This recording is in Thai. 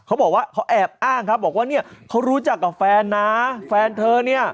เขาบอกว่าเขาแอบอ้างครับบอกว่าเนี่ยเขารู้จักกับแฟนนะแฟนเธอเนี่ย